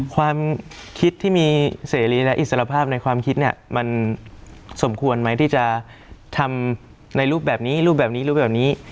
ความคิดที่มีเสรีและอิสรภาพในความคิดเนี่ยมันสมควรไหมที่จะทำในรูปแบบนี้รูปแบบนี้รูปแบบนี้